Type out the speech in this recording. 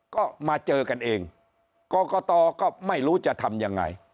ก็มาเจอกันเองกรกตก็ไม่รู้จะทำยังไง